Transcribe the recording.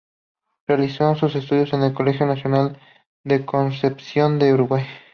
Realizó sus estudios en el Colegio Nacional de Concepción del Uruguay.